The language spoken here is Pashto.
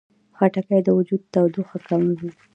خټکی د وجود تودوخه کموي.